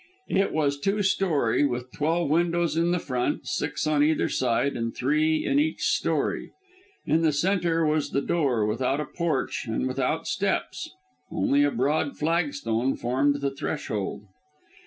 It was two storey, with twelve windows in the front, six on either side, and three in each storey. In the centre was the door, without a porch and without steps. Only a broad flagstone formed the threshold.